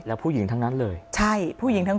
แล้วผู้หญิงทั้งนั้นเลย